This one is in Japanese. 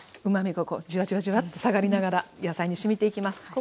うまみがこうじわじわじわっと下がりながら野菜にしみていきます。